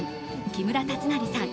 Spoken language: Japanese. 木村達成さん